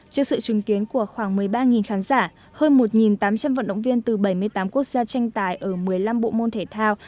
trước sự chứng kiến của khoảng một mươi ba khán giả hơn một tám trăm linh vận động viên từ bảy mươi tám quốc gia tranh tài ở một mươi năm bộ môn thể thao